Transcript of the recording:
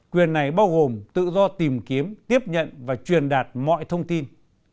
quyền này bao gồm tự do tìm kiếm tiếp nhận và truyền đạt mọi thông tin